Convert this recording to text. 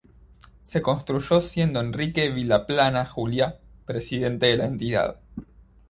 Se construyó siendo Enrique Vilaplana Juliá, presidente de la entidad.